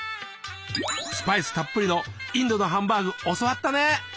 スパイスたっぷりのインドのハンバーグ教わったね。